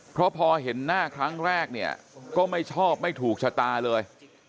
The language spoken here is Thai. เพราะพอเห็นหน้าครั้งแรกเนี่ยก็ไม่ชอบไม่ถูกชะตาเลย